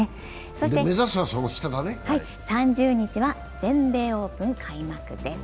そして３０日は全米オープン開幕です。